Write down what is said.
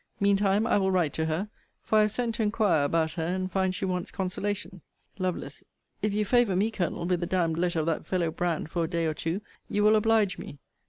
Mean time I will write to her; for I have sent to inquire about her, and find she wants consolation. Lovel. If you favour me, Colonel, with the d d letter of that fellow Brand for a day or two, you will oblige me.